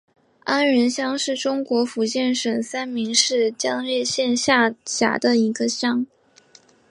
安仁乡是中国福建省三明市将乐县下辖的一个乡。